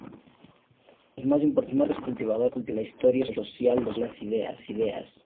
Fue uno de los más importantes cultivadores de la historia social de las ideas.